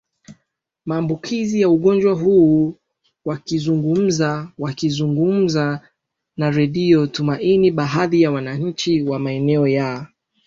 maambukizi ya ugonjwa huo WakizungumzaWakizungumza na Redio Tumaini baadhi ya wananchi wa maeneo ya